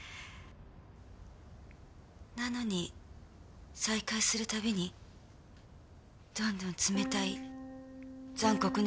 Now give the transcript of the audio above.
なのに再会するたびにどんどん冷たい残酷な人間になって。